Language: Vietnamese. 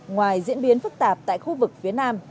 ngoài diễn biến phức tạp tại khu vực phía nam